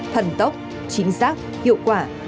thần tốc chính xác hiệu quả